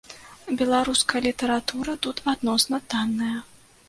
Беларуская літаратура тут адносна танная.